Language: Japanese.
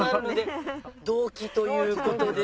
同期ということで。